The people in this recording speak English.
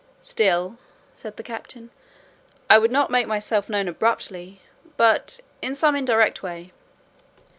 "Still," said the captain, "I would not make myself known abruptly, but in some indirect way."